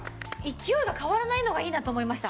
勢いが変わらないのがいいなと思いました。